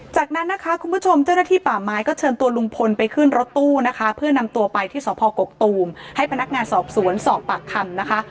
จากนั้นนะคะคุณผู้ชมเจ้าหน้าที่ป่าไม้ก็เชิญตัวลุงพลไปขึ้นรถตู้นะคะเพื่อนำตัวไปที่สพกกตูมให้พนักงานสอบสวนสอบปากคำนะคะ